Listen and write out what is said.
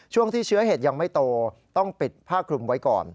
ช่วงที่เชื้อเห็ดยังไม่โตต้องปิดผ้าคลุมไว้ก่อน